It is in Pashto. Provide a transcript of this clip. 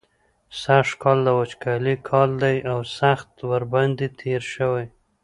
سږکال د وچکالۍ کال دی او سخت ورباندې تېر شوی.